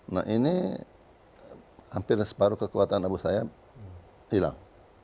nah ini hampir separuh kekuatan abu sayyaf hilang